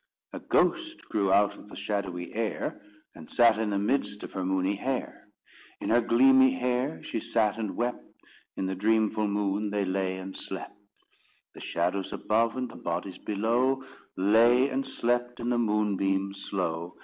A ghost grew out of the shadowy air, And sat in the midst of her moony hair. In her gleamy hair she sat and wept; In the dreamful moon they lay and slept; The shadows above, and the bodies below, Lay and slept in the moonbeams slow.